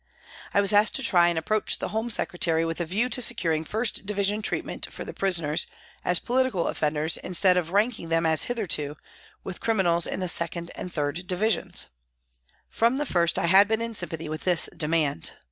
I was asked to try and ap proach the Home Secretary with a view to securing 1st Division treatment for the prisoners as political offenders instead of ranking them, as hitherto, with criminals in the 2nd and 3rd Divisions. From the first I had been in sympathy with this demand.